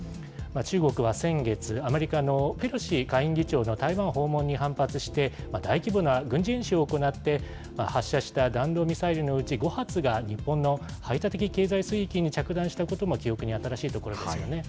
中国は先月、アメリカのペロシ下院議長の台湾訪問に反発して、大規模な軍事演習を行って、発射した弾道ミサイルのうち、５発が日本の排他的経済水域に着弾したことも記憶に新しいところですよね。